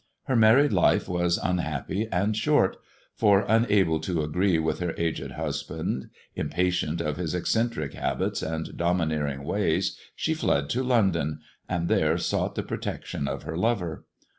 Her married life was unhappy and short ; fo: unable to agree with her aged husband, impatient of hi eccentric habits and domineering ways, she fled to Londoi and there sought the protection of her lover.